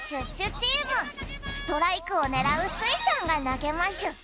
ストライクをねらうスイちゃんがなげましゅ